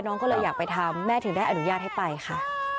น้องก็เลยอยากไปทำแม่ถึงได้อนุญาตให้ไปค่ะ